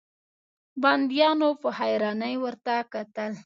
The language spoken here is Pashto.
بنديانو په حيرانۍ ورته کتل.